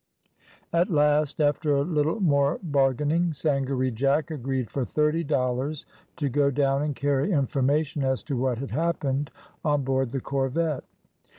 At last, after a little more bargaining, Sangaree Jack agreed for thirty dollars to go down and carry information as to what had happened, on board the corvette.